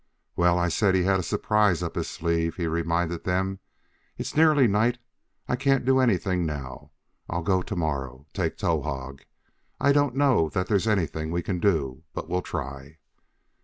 "Well, I said he had a surprise up his sleeve," he reminded them. "It is nearly night; I can't do anything now. I'll go to morrow; take Towahg. I don't know that there's anything we can do, but we'll try.